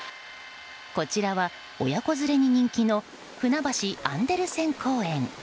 こちらは、親子連れに人気のふなばしアンデルセン公園。